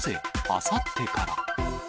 あさってから。